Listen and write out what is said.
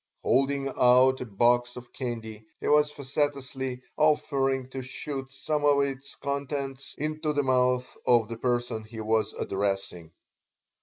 Holding out a box of candy, he was facetiously offering to shoot some of its contents into the mouth of the person he was addressing.